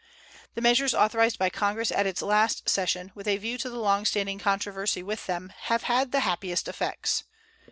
The measures authorized by Congress at its last session, with a view to the long standing controversy with them, have had the happiest effects.